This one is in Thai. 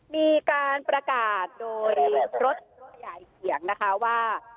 มีการประกาศโดยรถขยายเสียงนะคะว่า